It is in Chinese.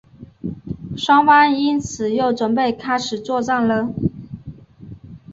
双方因此又准备开始作战了。